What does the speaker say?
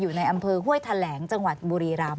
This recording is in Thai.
อยู่ในอำเภอห้วยแถลงจังหวัดบุรีรำ